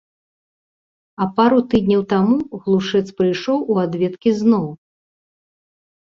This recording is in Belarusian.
А пару тыдняў таму глушэц прыйшоў у адведкі зноў.